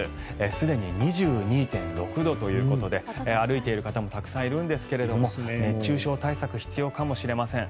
すでに２２．６度ということで歩いている方もたくさんいるんですが熱中症対策必要かもしれません。